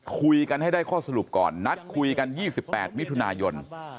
คุยกันให้ได้ข้อสรุปก่อนนัดคุยกัน๒๘มิถุนายน